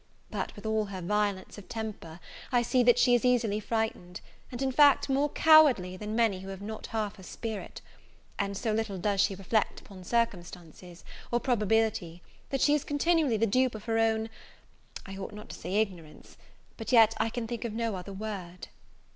But, with all her violence of temper, I see that she is easily frightened, and in fact, more cowardly than many who have not half her spirit; and so little does she reflect upon circumstances, or probability, that she is continually the dupe of her own I ought not to say ignorance, but yet I can think of no other word.